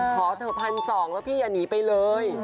ขอเถอะ๑๒๐๐แล้วพี่อย่าหนีไปเลย